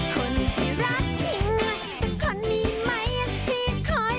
คนที่รักที่ไงสักคนมีมายังทีคอย